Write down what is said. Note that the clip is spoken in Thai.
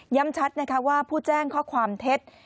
ย้ำชัดว่าผู้แจ้งข้อความเท็จ